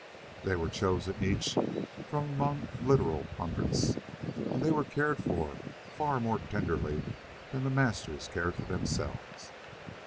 They were chosen each from among literal hundreds, and they were cared for far more tenderly than the masters cared for themselves.